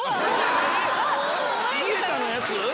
「井桁」のやつ⁉